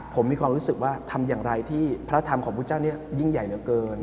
ผมมีความรู้สึกว่าทำอย่างไรที่พระธรรมของพุทธเจ้านี้ยิ่งใหญ่เหลือเกิน